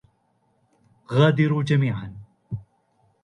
غادروا جميعا.